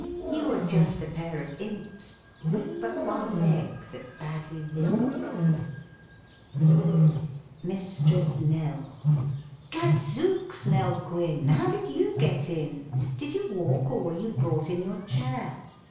You are just a pair of Imps, With but one leg that badly limps. MISTRESS NELL Gadzooks, Nell Gwynne! How did you get in? Did you walk or were you brought in your chair?